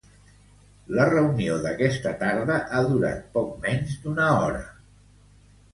La reunió d’aquesta tarda ha durat poc menys d’una hora.